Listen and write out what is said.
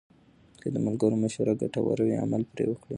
که د ملګرو مشوره ګټوره وي، عمل پرې وکړئ.